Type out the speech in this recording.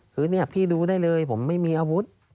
คือเนี่ยพี่ดูได้เลยผมไม่มีอาวุธ